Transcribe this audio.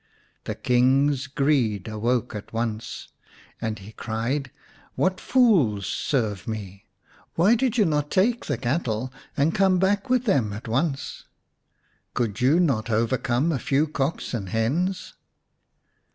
The King's greed awoke at once, and he cried, " What fools serve me ! Why did not you take the cattle and come back with them at once ? Could you not overcome a few cocks and hens